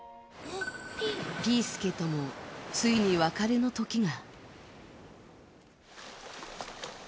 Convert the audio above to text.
ピー助ともついに別れの時が。